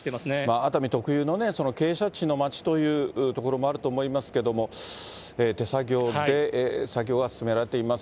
熱海特有の傾斜地の街というところもあると思いますけれども、手作業で作業が進められています。